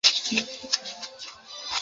今日是伊斯兰历。